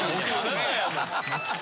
ハハハ。